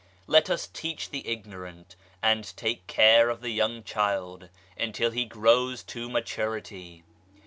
Let us teach the ignorant, and take care of the young child until he grows to maturity.